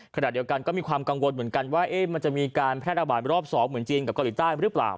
ขนาดเดียวกันก็มีความกังวลเหมือนกันว่ามันจะมีการแผลระบายรอปสอบเหมือนจีนกับกริตต้านรึเปล่า